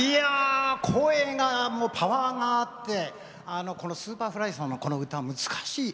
声がパワーがあってＳｕｐｅｒｆｌｙさんのこの歌は難しい。